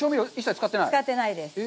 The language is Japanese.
使ってないです。